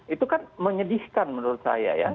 itu kan menyedihkan menurut saya ya